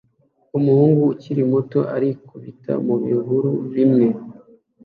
Umuhungu ukiri muto arikubita mu bihuru bimwe